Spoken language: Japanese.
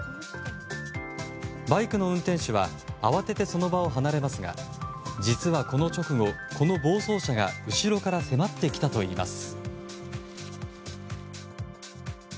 バイクの運転手は慌ててその場を離れますが実はこの直後、この暴走車が後ろから迫ってきたといいます。